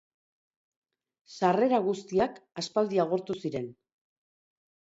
Sarrera guztiak aspaldi agortu ziren.